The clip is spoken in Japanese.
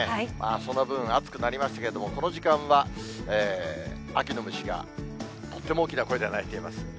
その分、暑くなりましたけれども、この時間は、秋の虫がとっても大きな声で鳴いています。